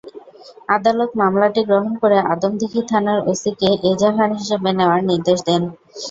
আদালত মামলাটি গ্রহণ করে আদমদীঘি থানার ওসিকে এজাহার হিসেবে নেওয়ার নির্দেশ দেন।